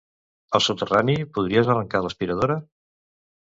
Al soterrani, podries arrencar l'aspiradora?